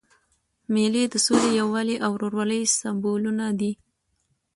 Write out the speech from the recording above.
مېلې د سولي، یووالي او ورورولۍ سېمبولونه دي.